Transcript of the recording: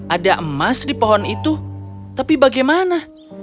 ada emas di pohon itu tapi bagaimana